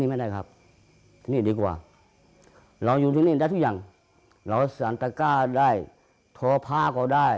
พวกเขาก็จริงพวกเขาก็จริงทุยคนและพวกเขาก็ฝ่ายได้